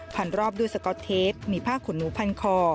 รอบด้วยสก๊อตเทปมีผ้าขนหนูพันคอ